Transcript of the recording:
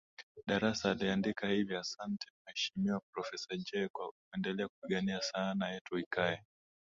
Darassa aliandika hivi asante sana Mheshimiwa Professor Jay kwa kuendelea kupigania sanaa yetu ikae